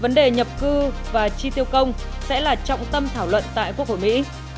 vấn đề nhập cư và chi tiêu công sẽ là trọng tâm thảo luận tại quốc hội mỹ